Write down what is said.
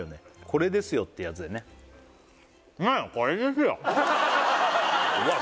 「これですよ」ってやつだよねうわ